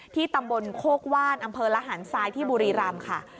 ที่ตำบลโฆกวาลอำเภอละหารทรายที่บุรีรัมศ์ค่ะ